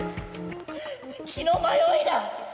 気の迷いだ！